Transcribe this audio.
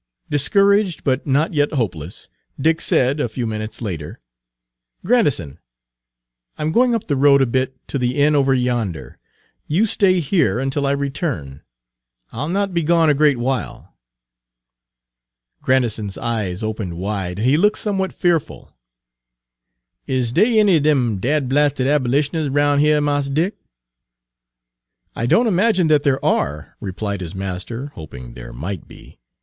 Discouraged, but not yet hopeless, Dick said, a few minutes later, "Grandison, I 'm going up the road a bit, to the inn over yonder. You stay here until I return. I'll not be gone a great while." Grandison's eyes opened wide and he looked somewhat fearful. "Is dey any er dem dadblasted abolitioners roun' heah, Mars Dick?" "I don't imagine that there are," replied his master, hoping there might be.